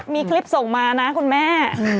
มีคลิปส่งมานะคุณแม่